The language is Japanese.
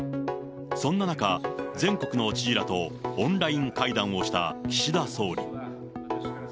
そんな中、全国の知事らとオンライン会談をした岸田総理。